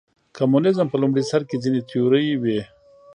کمونیزم په لومړي سر کې ځینې تیورۍ وې.